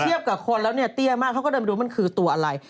เทียบกับคนแล้วเตี้ยมากเขาก็เดินไปดูมันคือตัวอะไร